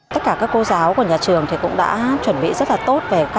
tất cả các cô giáo của nhà trường cũng đã chuẩn bị rất là tốt